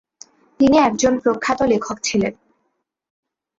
তিনি একজন প্রখ্যাত লেখক ছিলেন।